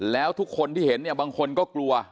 แล้วทุกคนที่เห็นเนี่ยบางคนก็กลัว